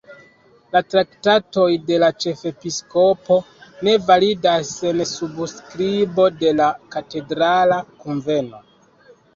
La traktatoj de la ĉefepiskopo ne validas sen subskribo de la katedrala kunveno.